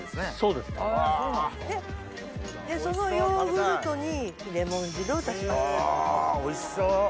うわおいしそう！